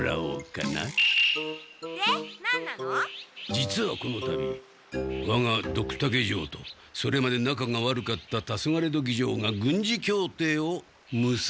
実はこのたびわがドクタケ城とそれまでなかが悪かったタソガレドキ城が軍事協定をむすんだのだ。